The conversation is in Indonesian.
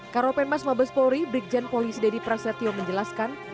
karopen mas mabes polri brikjenpolis dedy prasetyo menjelaskan